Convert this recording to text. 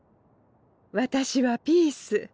私はピース。